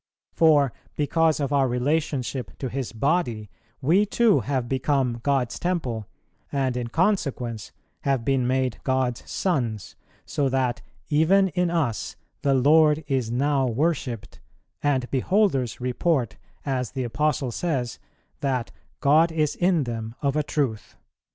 For, because of our relationship to His Body, we too have become God's temple, and in consequence have been made God's sons, so that even in us the Lord is now worshipped, and beholders report, as the Apostle says, that 'God is in them of a truth.'"